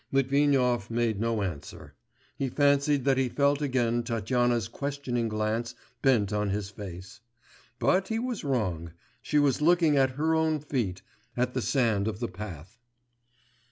Litvinov made no answer; he fancied that he felt again Tatyana's questioning glance bent on his face, but he was wrong, she was looking at her own feet, at the sand of the path.